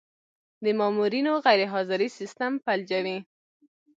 د مامورینو غیرحاضري سیستم فلجوي.